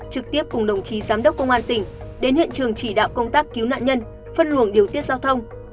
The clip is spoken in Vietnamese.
trực tiếp cùng đồng chí giám đốc công an tỉnh đến hiện trường chỉ đạo công tác cứu nạn nhân phân luồng điều tiết giao thông